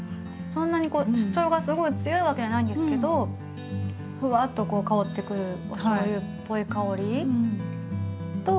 そんなに主張がすごい強いわけじゃないんですけどふわっとこう香ってくるおしょうゆっぽい香りと。